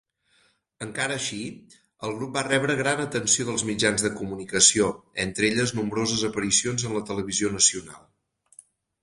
Encara així, el grup va rebre gran atenció dels mitjans de comunicació, entre elles nombroses aparicions en la televisió nacional.